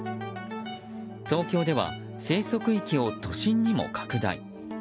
東京では生息域を都心にも拡大。